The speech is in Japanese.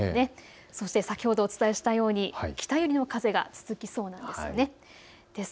そして先ほどお伝えしたように北寄りの風が続きそうです。